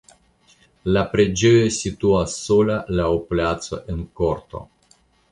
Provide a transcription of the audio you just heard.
La preĝejo situas sola laŭ placo en korto.